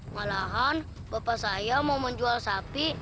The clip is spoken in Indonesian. malahan bapak saya mau menjual sapi